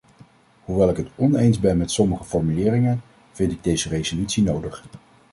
Hoewel ik het oneens ben met sommige formuleringen vind ik deze resolutie nodig.